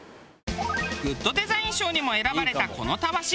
グッドデザイン賞にも選ばれたこのたわし。